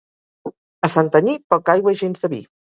A Santanyí, poca aigua i gens de vi.